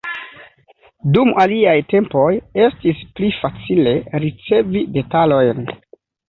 Dum aliaj tempoj estis pli facile ricevi detalojn.